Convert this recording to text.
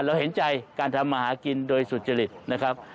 เราเห็นใจการทำมาหากินโดยสุจริตนะครับ